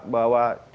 bahwa tidak terjadi